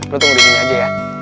lo tunggu disini aja ya